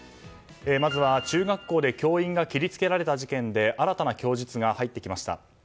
まずは中学校で教員が切り付けられた事件で新たな供述が入ってきました。